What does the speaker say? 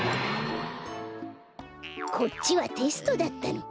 こっちはテストだったのか。